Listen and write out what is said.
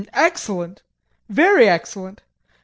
] Excellent, very excellent!